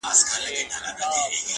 ماته زارۍ كوي چي پرېميږده ه ياره.